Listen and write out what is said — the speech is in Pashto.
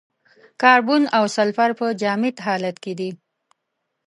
کاربن او سلفر په جامد حالت کې دي.